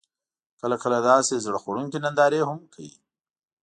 کله، کله داسې زړه خوړونکې نندارې هم کوي: